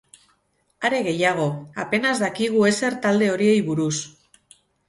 Are gehiago, apenas dakigu ezer talde horiei buruz.